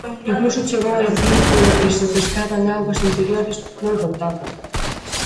Incluso chegou a dicir que o que se pescaba en augas interiores non contaba.